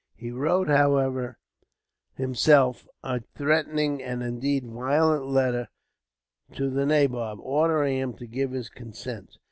He wrote, however, himself, a threatening, and indeed violent letter to the nabob, ordering him to give his consent.